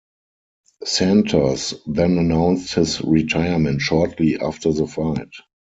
Santos then announced his retirement shortly after the fight.